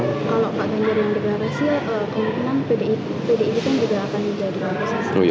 kalau pak ganjar yang dikawal rahasia komitmen pdi itu kan juga akan dikawal rahasia